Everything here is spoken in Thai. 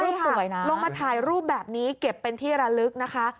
สวยนะลงมาถ่ายรูปแบบนี้เก็บเป็นที่ระลึกนะคะ